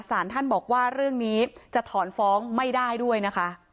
สารท่านบอกว่าเรื่องนี้จะถอนฟ้องไม่ได้ด้วยนะคะ